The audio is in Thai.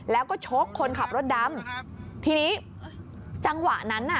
แล้วก็ชกคนขับรถดำทีนี้จังหวะนั้นน่ะ